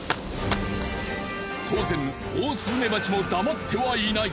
当然オオスズメバチも黙ってはいない。